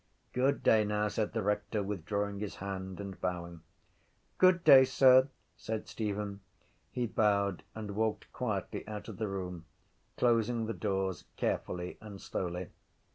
—Good day now, said the rector, withdrawing his hand and bowing. —Good day, sir, said Stephen. He bowed and walked quietly out of the room, closing the doors carefully and slowly.